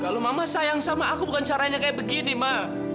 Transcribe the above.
kalau mama sayang sama aku bukan caranya kayak begini mak